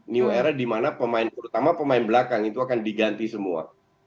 new era di mana pemain terutama pemain belakang itu akan diganti semua